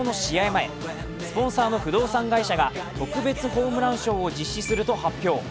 前、スポンサーの不動産会社が特別ホームラン賞を実施すると発表。